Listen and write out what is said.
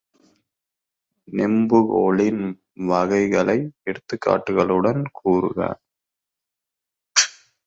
நெம்புகோலின் வகைகளை எடுத்துக்காட்டுகளுடன் கூறுக.